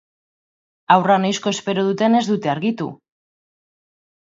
Haurra noizko espero duten ez dute argitu.